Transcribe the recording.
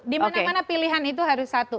dimana mana pilihan itu harus satu